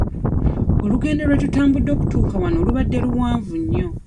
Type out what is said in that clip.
Olugendo lwe tutambudde okutuuka wano lubadde luwanvu nnyo.